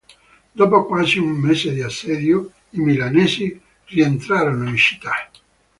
Dopo quasi un mese di assedio i Milanesi rientrarono in città.